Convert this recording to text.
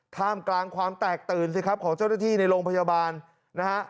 ท่ามกลางความแตกตื่นสิครับของเจ้าหน้าที่ในโรงพยาบาลนะฮะ